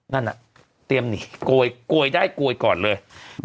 นั่นน่ะเตรียมหนีโกยโกยได้โกยก่อนเลย